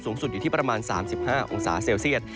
สูงสุดอยู่ที่ประมาณ๓๕องศาเซลเซียต